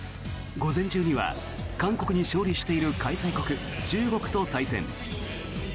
午前中には韓国に勝利している開催国・中国と対戦。